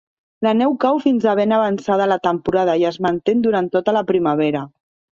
La neu cau fins a ben avançada la temporada i es manté durant tota la primavera.